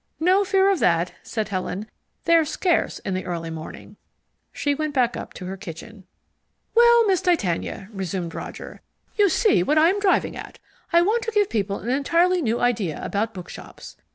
"No fear of that," said Helen. "They're scarce in the early morning." She went back to her kitchen. "Well, Miss Titania," resumed Roger. "You see what I'm driving at. I want to give people an entirely new idea about bookshops.